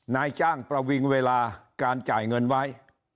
นายจ้างประวิงเวลาการจ่ายเงินไว้